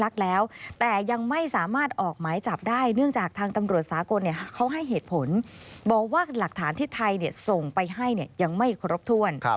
เขาให้เหตุผลบอกว่าหลักฐานที่ไทยส่งไปให้ยังไม่ครบถ้วน